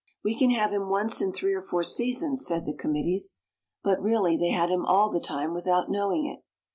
"We can have him once in three or four seasons," said the committees. But really they had him all the time without knowing it.